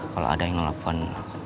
kalau ada yang nelfon